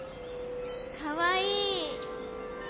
かわいい。